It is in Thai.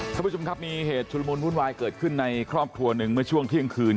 ท่านผู้ชมครับมีเหตุชุลมุนวุ่นวายเกิดขึ้นในครอบครัวหนึ่งเมื่อช่วงเที่ยงคืน